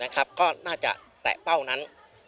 ก็น่าจะแตะเป้านั้น